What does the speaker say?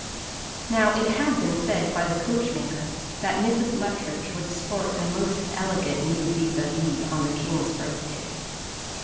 Now it had been said by the coachmaker, that Mrs. Luttridge would sport a most elegant new vis à vis on the king's birthday.